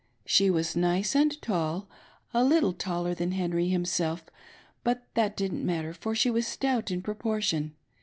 She was nice and tall— a little taller than Henry himself, but that didn't matter for she was stout in proportion.